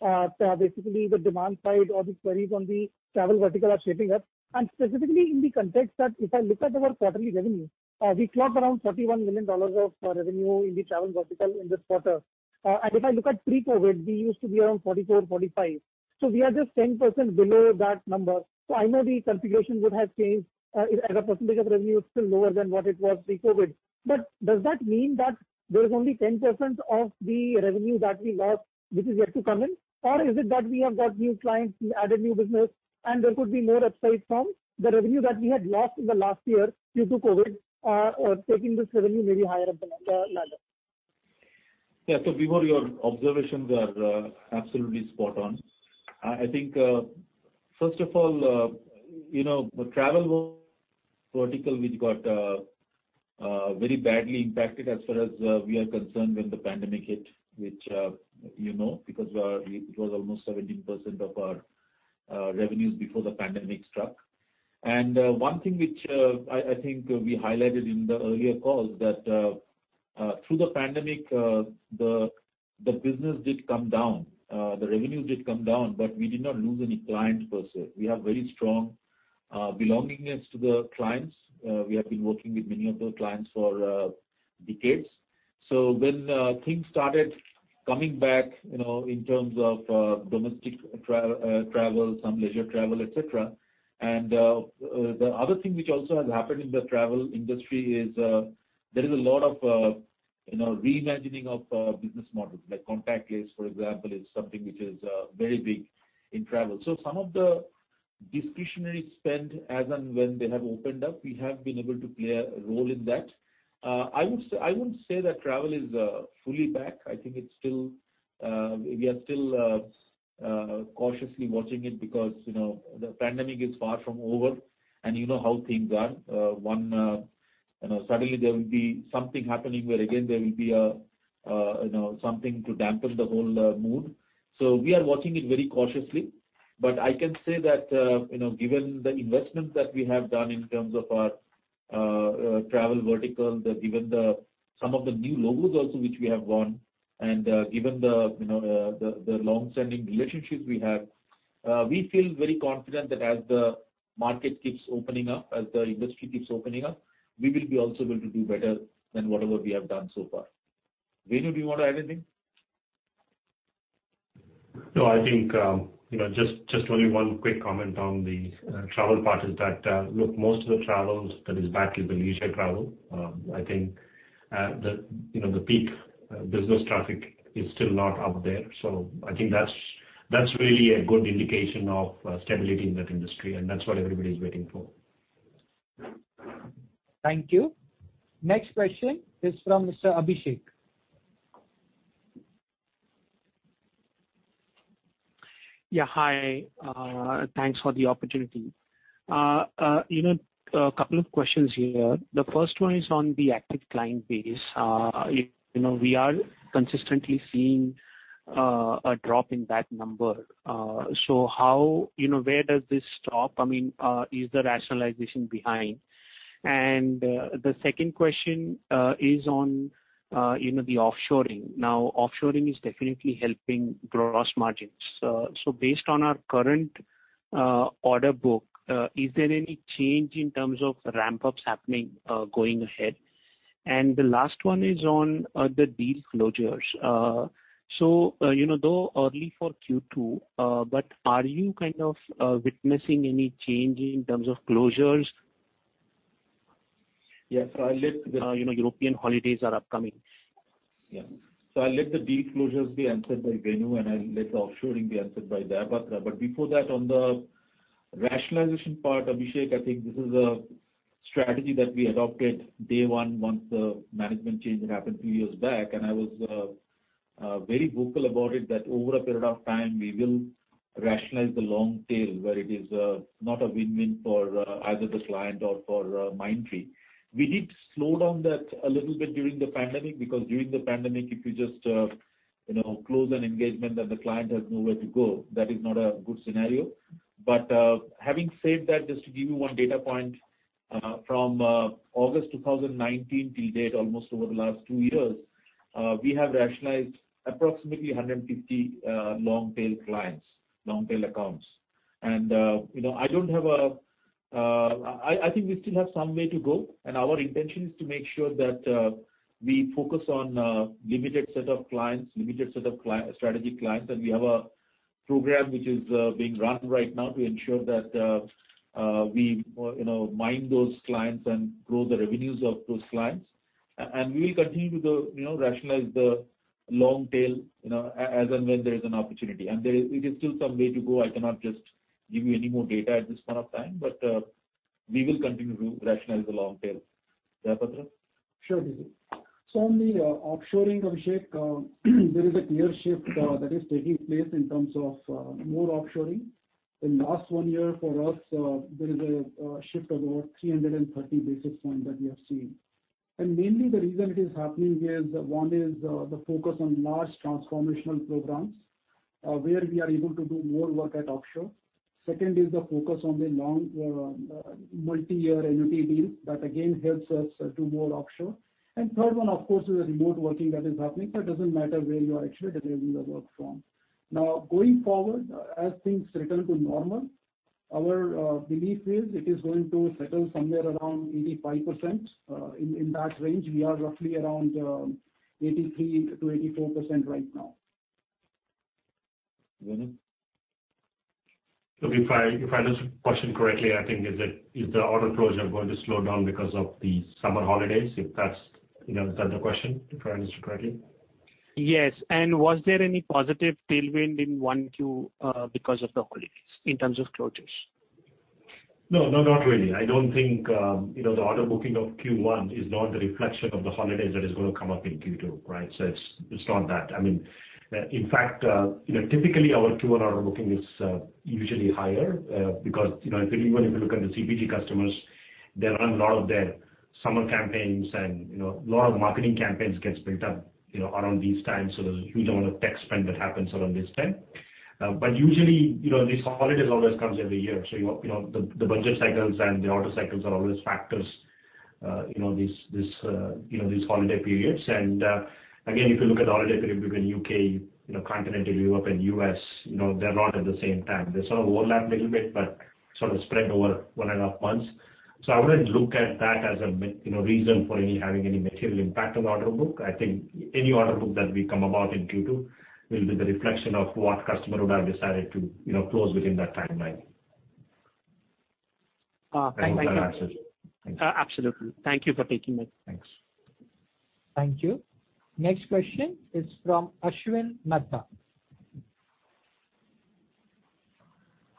basically the demand side or the queries on the travel vertical are shaping up, and specifically in the context that if I look at our travel revenue, we clocked around $31 million of revenue in the travel vertical in this quarter. If I look at pre-COVID, we used to be around $44 million, $45 million. We are just 10% below that number. Does that mean that There is only 10% of the revenue that we got which is yet to come in, or is it that we have got new clients, we added new business, and there could be more upside from the revenue that we had lost in the last year due to COVID, taking this revenue very higher than the latter? Yeah. Vibhor, your observations are absolutely spot on. I think, first of all, the travel vertical, which got very badly impacted as far as we are concerned when the pandemic hit. Because it was almost 17% of our revenues before the pandemic struck. One thing which I think we highlighted in the earlier calls that through the pandemic, the business did come down, the revenues did come down, but we did not lose any clients per se. We have very strong belongings to the clients. We have been working with many of the clients for decades. When things started coming back in terms of domestic travel, some leisure travel, et cetera. The other thing which also has happened in the travel industry is there is a lot of reimagining of business models, like contactless, for example, is something which is very big in travel. Some of the discretionary spend as and when they have opened up, we have been able to play a role in that. I wouldn't say that travel is fully back. I think we are still cautiously watching it because the pandemic is far from over and you know how things are. Suddenly there will be something happening where again there will be something to dampen the whole mood. We are watching it very cautiously. I can say that, given the investments that we have done in terms of our travel vertical, given some of the new logos also which we have won, and given the longstanding relationship we have, we feel very confident that as the market keeps opening up, as the industry keeps opening up, we will be also going to do better than whatever we have done so far. Venu, do you want to add anything? No, I think, just only one quick comment on the travel part is that most of the travels, that is back is the leisure travel. I think the peak business traffic is still not up there. I think that's really a good indication of stability in that industry, and that's what everybody's waiting for. Thank you. Next question is from Mr. Abhishek. Yeah, hi. Thanks for the opportunity. A couple of questions here. The first one is on the active client base. We are consistently seeing a drop in that number. Where does this stop? I mean, is the rationalization behind? The second question is on the offshoring. Now, offshoring is definitely helping gross margins. Based on our current order book, is there any change in terms of ramp-ups happening going ahead? The last one is on the deal closures. Though early for Q2, but are you kind of witnessing any change in terms of closures? Yeah. You know, European holidays are upcoming. Yeah. I'll let the deal closures be answered by Venu, and I'll let the offshoring be answered by Dayapatra Nevatia. Before that, on the rationalization part, Abhishek, I think this is a strategy that we adopted day one once the management change happened two years back, and I was very vocal about it, that over a period of time, we will rationalize the long tail where it is not a win-win for either the client or for Mindtree. We did slow down that a little bit during the pandemic, because during the pandemic, if you just close an engagement and the client has nowhere to go, that is not a good scenario. Having said that, just to give you one data point, from August 2019 till date, almost over the last two years, we have rationalized approximately 150 long-tail clients, long-tail accounts. I think we still have some way to go, and our intention is to make sure that we focus on a limited set of clients, limited set of strategic clients, and we have a program which is being run right now to ensure that we mine those clients and grow the revenues of those clients. We'll continue to rationalize the long tail, as and when there's an opportunity. There is still some way to go. I cannot just give you any more data at this point of time, but we will continue to rationalize the long tail. Dayapatra? Sure. On the offshoring, Abhishek, there is a clear shift that is taking place in terms of more offshoring. In the last one year for us, there is a shift of about 330 basis points that we have seen. Mainly the reason it is happening here is that one is the focus on large transformational programs, where we are able to do more work at offshore. Second is the focus on the long multi-year annuity deals that again helps us to do more offshore. Third one, of course, is remote working that is happening. It doesn't matter where you are actually delivering the work from. Now, going forward, as things settle to normal, our belief is it is going to settle somewhere around 85%, in that range. We are roughly around 83%-84% right now. Venu? If I understand your question correctly, I think is the order closure going to slow down because of the summer holidays, if that's the question, if I understand correctly? Yes. Was there any positive tailwind in 1Q because of the holidays in terms of closures? No, not really. I don't think the order booking of Q1 is not the reflection of the holidays that is going to come up in Q2. It's not that. In fact, typically our Q1 order booking is usually higher because, particularly when you look at the CPG customers, they run a lot of their summer campaigns and a lot of marketing campaigns get built up around this time. There's a huge amount of tech spend that happens around this time. Usually, the holidays always comes every year, so the budget cycles and the order cycles are always factors these holiday periods. Again, if you look at holiday period in U.K., continental Europe, and U.S., they're not at the same time. They sort of overlap a little bit, but spread over one and a half months. I wouldn't look at that as a reason for having any material impact on order book. I think any order book that we come about in Q2 will be the reflection of what customer would have decided to close within that timeline. Thank you. Welcome. Absolutely. Thank you for taking it. Thanks. Thank you. Next question is from Ashwin Mehta.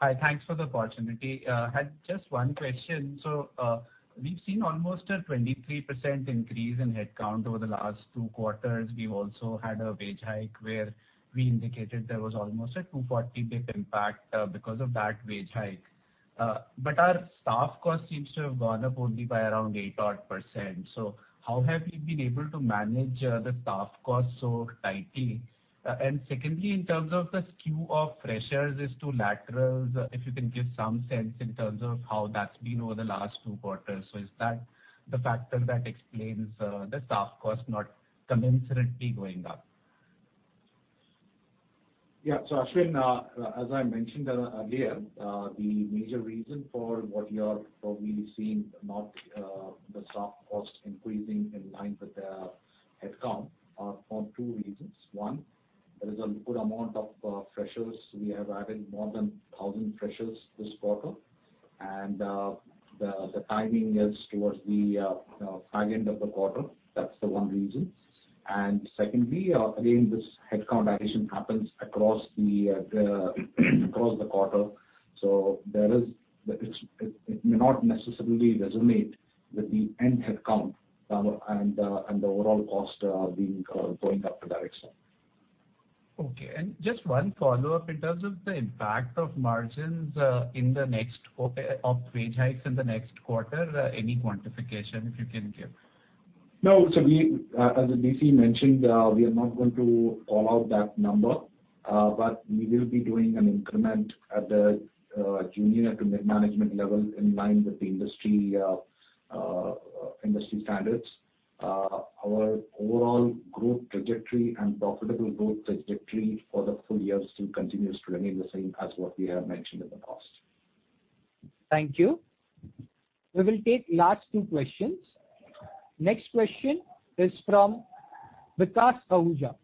Hi. Thanks for the opportunity. I had just one question. We've seen almost a 23% increase in headcount over the last two quarters. We also had a wage hike where we indicated there was almost a 240 basis point impact because of that wage hike. Our staff cost seems to have gone up only by around eight odd percent. How have we been able to manage the staff cost so tightly? Secondly, in terms of the skew of freshers to laterals, if you can give some sense in terms of how that's been over the last two quarters. Is that the factor that explains the staff cost not commensurately going up? Yeah. Ashwin, as I mentioned earlier, the major reason for what you're probably seeing, not the staff cost increasing in line with the headcount are for two reasons. One, there's a good amount of freshers. We have added more than 1,000 freshers this quarter, and the timing is towards the high end of the quarter. That's the one reason. Secondly, again, this headcount addition happens across the quarter, so it may not necessarily resonate with the end headcount and the overall cost going up to that extent. Okay. Just one follow-up in terms of the impact of wage hikes in the next quarter. Any quantification you can give? No. As DC mentioned, we are not going to call out that number, but we will be doing an increment at the junior to mid-management level in line with the industry standards. Our overall growth trajectory and profitable growth trajectory for the full year still continues to remain the same as what we have mentioned in the past. Thank you. We will take last two questions. Next question is from Vikas Ahuja.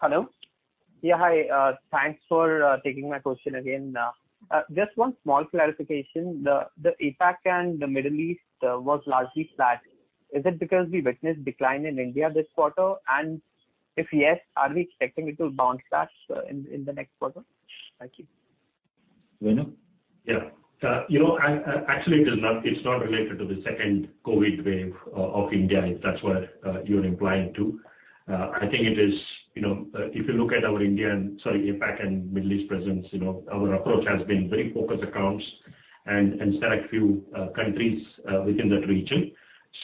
Hello. Yeah, hi. Thanks for taking my question again. Just one small clarification. The APAC and the Middle East was largely flat. Is it because we witnessed decline in India this quarter? If yes, are we expecting it to bounce back in the next quarter? Thank you. Venu? Yeah. Actually, it's not related to the second COVID-19 wave of India, if that's what you're implying to. If you look at our India and, sorry, APAC and Middle East presence, our approach has been very focused accounts and select few countries within that region.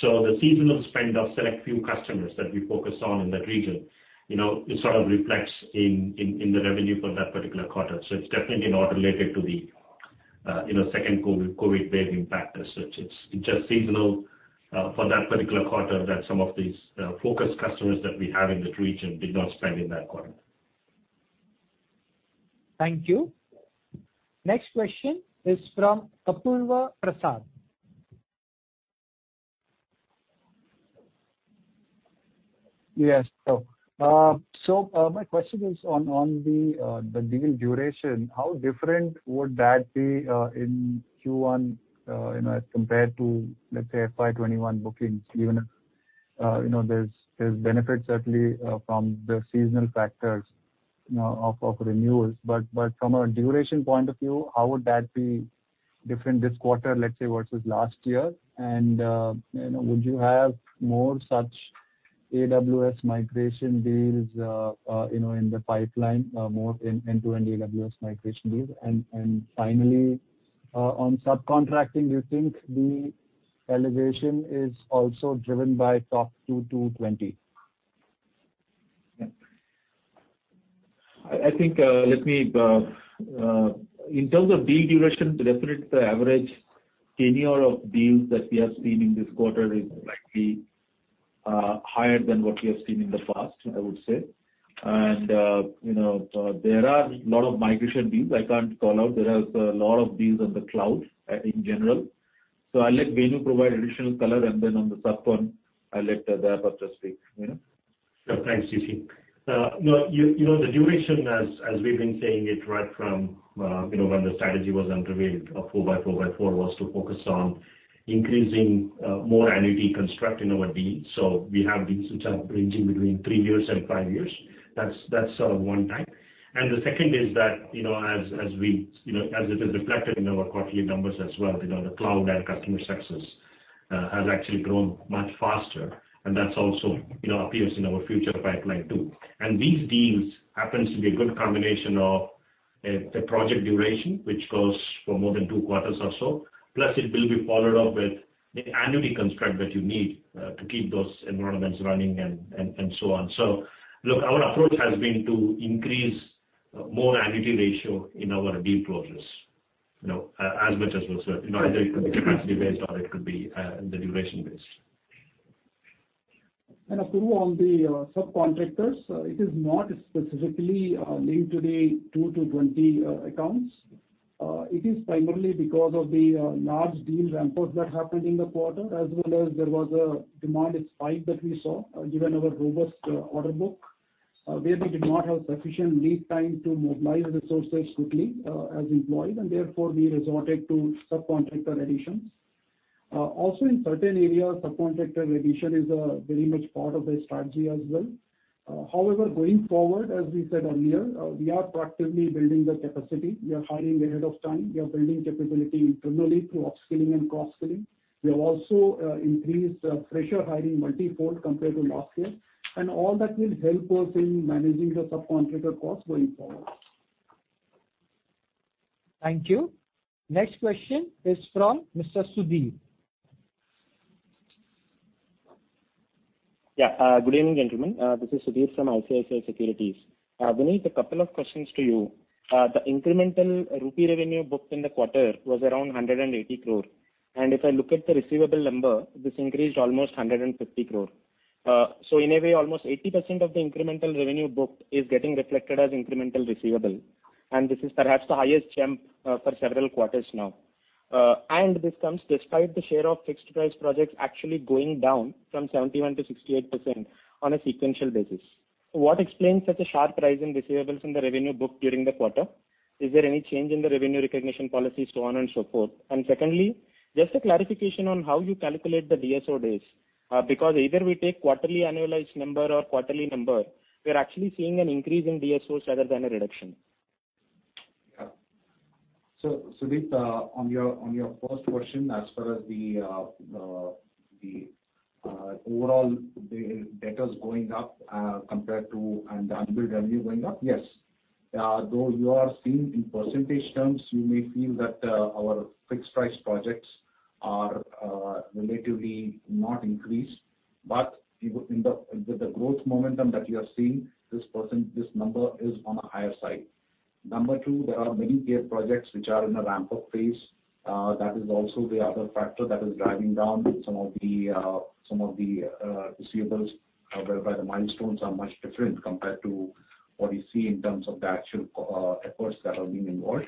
The seasonal spend of select few customers that we focus on in that region, it sort of reflects in the revenue for that particular quarter. It's definitely not related to the second COVID-19 wave impact as such. It's just seasonal for that particular quarter that some of these focus customers that we have in that region did not spend in that quarter. Thank you. Next question is from Apurva Prasad. Yes. My question is on the deal duration. How different would that be in Q1 compared to, let's say, FY 2021 bookings even? There's benefits certainly from the seasonal factors of renewals, but from a duration point of view, how would that be different this quarter, let's say, versus last year? Would you have more such AWS migration deals in the pipeline, more Top 20 AWS migration deals? Finally, on subcontracting, do you think the elevation is also driven by Top 20? In terms of deal duration, definitely the average tenure of deals that we have seen in this quarter is likely higher than what we have seen in the past, I would say. There are a lot of migration deals I can't call out. There are a lot of deals on the cloud in general. I'll let Venu provide additional color, and then on the sub con I'll let Nevatia speak. Yeah. Thanks, DC. Look, the duration as we've been saying it right from when the strategy was unveiled of 4x4x4 was to focus on increasing more annuity construct in our deals. We have deals which are ranging between three years and five years. That's one type. The second is that as it is reflected in our quarterly numbers as well, the cloud and customer success has actually grown much faster, and that's also appears in our future pipeline, too. These deals happens to be a good combination of a project duration, which goes for more than two quarters or so. Plus, it will be followed up with the annuity construct that you need to keep those environments running and so on. Look, our approach has been to increase more annuity ratio in our deal progress as much as possible, either it could be deliverables based or it could be duration based. Apurva on the subcontractors, it is not specifically linked to the two to 20 accounts. It is primarily because of the large deal ramp-ups that happened in the quarter, as well as there was a demand spike that we saw given our robust order book, where we did not have sufficient lead time to mobilize resources quickly as we planned, and therefore we resorted to subcontractor additions. Also, in certain areas, subcontractor addition is a very much part of the strategy as well. However, going forward, as we said earlier, we are proactively building the capacity. We are hiring ahead of time. We are building capability internally through upskilling and cross-skilling. We have also increased fresher hiring multi-fold compared to last year. All that will help us in managing the subcontractor cost going forward. Thank you. Next question is from Mr. Sudhir. Good evening, gentlemen. This is Sudhir from ICICI Securities. Vinit, a couple of questions to you. The incremental rupee revenue booked in the quarter was around 180 crore. If I look at the receivable number, this increased almost 150 crore. In a way, almost 80% of the incremental revenue booked is getting reflected as incremental receivable. This is perhaps the highest jump for several quarters now. This comes despite the share of fixed price projects actually going down from 71% to 68% on a sequential basis. What explains such a sharp rise in receivables in the revenue booked during the quarter? Is there any change in the revenue recognition policies so on and so forth? Secondly, just a clarification on how you calculate the DSO days. Either we take quarterly annualized number or quarterly number, we are actually seeing an increase in DSO instead of any reduction. Yeah. Sudhir on your first question as far as the overall debtors going up and the unbilled revenue going up. Yes. Though you are seeing in percentage terms, you may feel that our fixed price projects are relatively not increased. With the growth momentum that you are seeing, this number is on the higher side. Number two, there are many big projects which are in a ramp-up phase. That is also the other factor that is driving down some of the receivables whereby the milestones are much different compared to what you see in terms of the actual efforts that are being involved.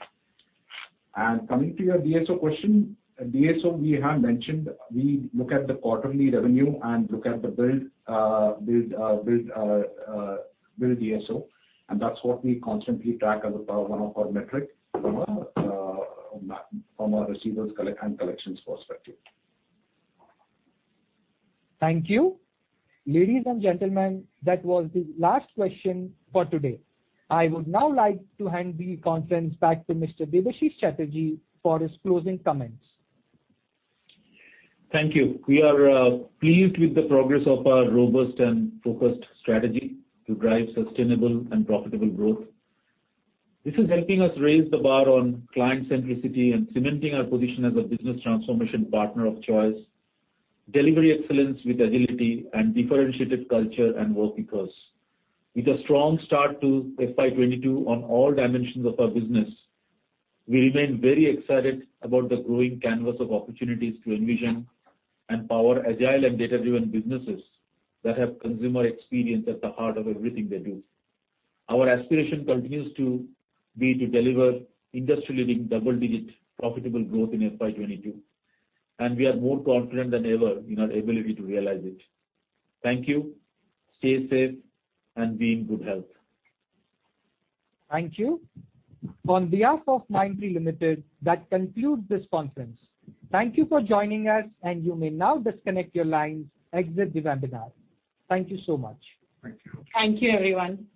Coming to your DSO question, DSO we have mentioned, we look at the quarterly revenue and look at the billed DSO, and that's what we constantly track as one of our metric from a receivables and collections perspective. Thank you. Ladies and gentlemen, that was the last question for today. I would now like to hand the conference back to Mr. Debashis Chatterjee for his closing comments. Thank you. We are pleased with the progress of our robust and focused strategy to drive sustainable and profitable growth. This is helping us raise the bar on client centricity and cementing our position as a business transformation partner of choice, delivery excellence with agility, and differentiated culture and workforce. With a strong start to FY 2022 on all dimensions of our business, we remain very excited about the growing canvas of opportunities to envision and power agile and data-driven businesses that have consumer experience at the heart of everything they do. Our aspiration continues to be to deliver industry-leading double-digit profitable growth in FY 2022, and we are more confident than ever in our ability to realize it. Thank you. Stay safe and be in good health. Thank you. On behalf of Mindtree Limited, that concludes this conference. Thank you for joining us, and you may now disconnect your lines. Exit the webinar. Thank you so much. Thank you. Thank you, everyone.